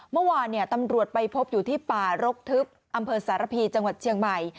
เมื่อวานตำรวจไปพบอยู่ที่ป่ารกทึบอำเภอสารพีจังหวัดเชียงใหม่